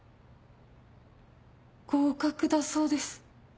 合格だそうです。